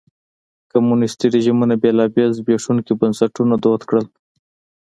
کمونیستي رژیمونو بېلابېل زبېښونکي بنسټونه دود کړل.